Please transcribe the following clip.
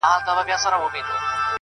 نجات نه ښکاري د هيچا له پاره-